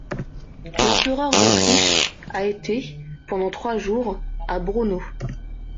L'empereur d'Autriche a été pendant trois jours à Braunau.